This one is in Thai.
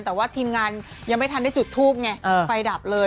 แต่ว่าทีมงานยังไม่ทันได้จุดทูปไงไฟดับเลย